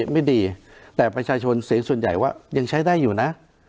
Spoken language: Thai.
ไม่ดีแต่ประชาชนเสียงส่วนใหญ่ว่ายังใช้ได้อยู่นะ